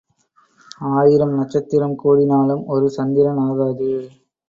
ஆயிரம் நட்சத்திரம் கூடினாலும் ஒரு சந்திரன் ஆகாது.